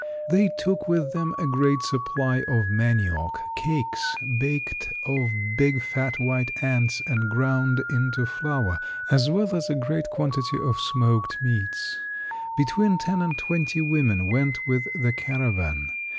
They took with them a great supply of manioc, cakes baked of big, fat white ants and ground into flour, as well as a great quantity of smoked meats. Between ten and twenty women went with the caravan.